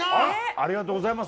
ありがとうございます。